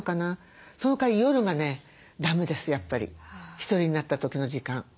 １人になった時の時間。